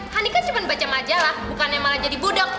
hani kan cuma baca majalah bukan yang malah jadi bodoh